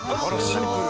シンプル。